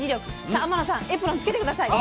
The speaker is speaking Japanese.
さあ天野さんエプロン着けて下さい。